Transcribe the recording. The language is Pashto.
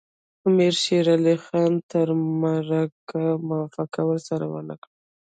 امیر شېر علي خان تر مرګه موافقه ورسره ونه کړه.